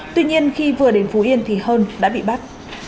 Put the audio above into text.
tuy nhiên khi vừa đến phú yên thì hơn đã bị bắt